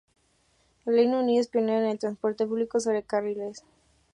El Reino Unido es pionero en el transporte público sobre carriles.